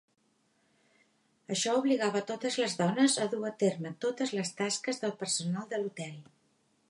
Això obligava totes les dones a dur a terme totes les tasques del personal de l'hotel.